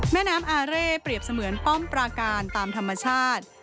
แม่น้ำอาเร่เปรียบเสมือนป้อมปราการตามธรรมชาติ